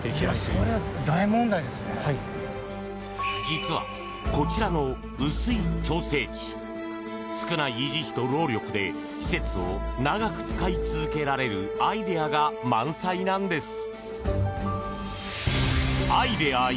実はこちらの雨水調整池少ない維持費と労力で施設を長く使い続けられるアイデアが満載なんです。